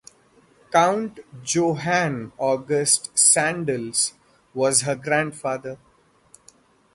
Count Johan August Sandels was her grandfather.